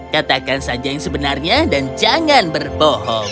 katakan saja yang sebenarnya dan jangan berbohong